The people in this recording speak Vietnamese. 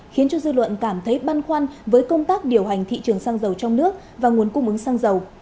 khiến cho dư luận cảm thấy băn khoăn với công tác điều hành thị trường xăng dầu trong nước và nguồn cung ứng xăng dầu